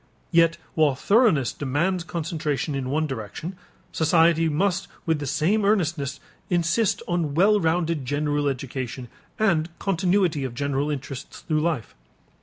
Yet while thoroughness demands concentration in one direction, society must with the same earnestness insist on well rounded general education and continuity of general interests through life.